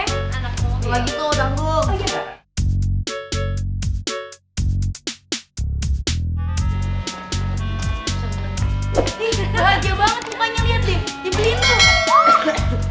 nih bahagia banget mukanya lihat deh